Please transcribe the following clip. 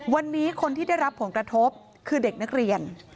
วันนี้คนที่ได้รับผลกระทบคือเด็กนักเรียน